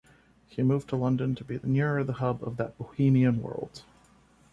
He moved to London to be nearer the hub of that Bohemian world.